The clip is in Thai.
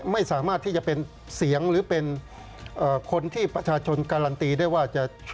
ไม่สามารถที่จะเป็นเสียงหรือเป็นคนที่ประชาชนการันตีได้ว่าจะ